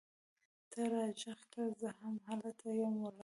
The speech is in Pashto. ته راږغ کړه! زه هم هلته یم ولاړه